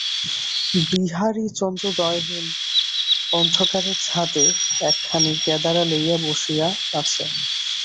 বিহারী চন্দ্রোদয়হীন অন্ধকারে ছাদে একখানি কেদারা লইয়া বসিয়া আছে।